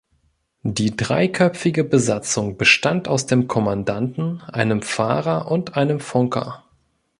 Die dreiköpfige Besatzung bestand aus dem Kommandanten, einem Fahrer und einem Funker.